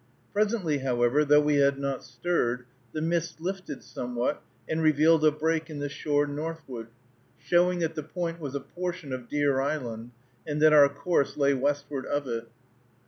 Presently, however, though we had not stirred, the mist lifted somewhat, and revealed a break in the shore northward, showing that the point was a portion of Deer Island, and that our course lay westward of it.